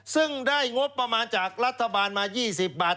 ซึ่งได้งบประมาณจากรัฐบาลมา๒๐บาท